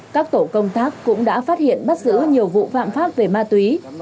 các tổ công tác cũng đã phát hiện bắt giữ nhiều vụ phạm pháp về ma túy